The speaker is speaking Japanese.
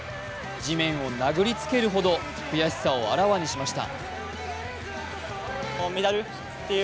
地面を殴りつけるほど悔しさをあらわにしました。